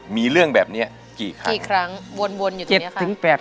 มีเรื่องแบบนี้กี่ครั้งบวนอยู่ตรงนี้ครับ